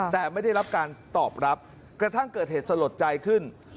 แต่ไม่ได้รับการตอบรับกระทั่งเกิดเหตุสลดใจขึ้น